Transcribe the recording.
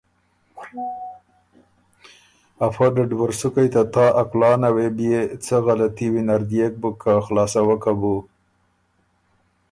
ا فه ډډوُرسُکئ ته تا ا کُلانه وې بيې څۀ غلطي وینر ديېک بُک که خلاصوکه بُو۔